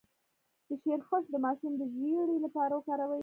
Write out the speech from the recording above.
د شیرخشت د ماشوم د ژیړي لپاره وکاروئ